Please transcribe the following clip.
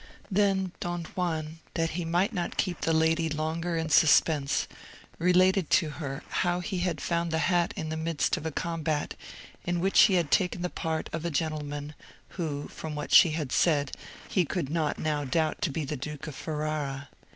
Then Don Juan, that he might not keep the lady longer in suspense, related to her how he had found the hat in the midst of a combat, in which he had taken the part of a gentleman, who, from what she had said, he could not now doubt to be the Duke of Ferrara.